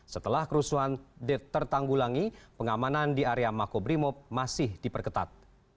setelah kerusuhan tertanggulangi pengamanan di area makobrimob masih diperketat